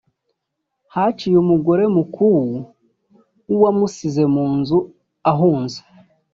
Haciye umugore mukuwu w’uwamusize mu nzu ahunze